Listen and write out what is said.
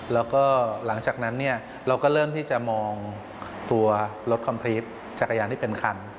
แล้วก็หลังจากนั้นเนี่ยเราก็เริ่มที่จะมองตัวรถคอมพรีตจักรยานที่เป็นคัน